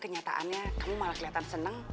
kenyataannya kamu malah kelihatan senang